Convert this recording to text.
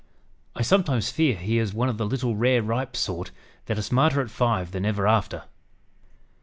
I sometimes fear he is one of the little rare ripe sort that are smarter at five than ever after.